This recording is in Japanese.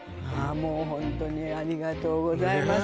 もうホントにありがとうございます